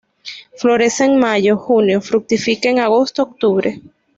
Florece en Mayo-junio, fructifica en Agosto-octubre.